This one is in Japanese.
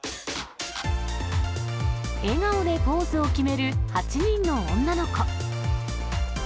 笑顔でポーズを決める８人の女の子。